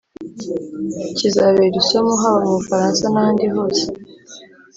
kizabera isomo, haba mu bufaransa n'ahandi hose,